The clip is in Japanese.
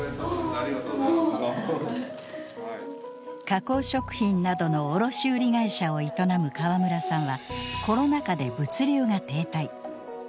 加工食品などの卸売会社を営む河村さんはコロナ禍で物流が停滞。